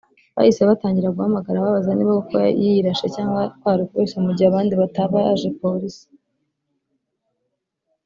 bahise batangira guhamagara babaza niba koko yirashe cyangwa kwari ukubeshya mu gihe abandi batabaje polisi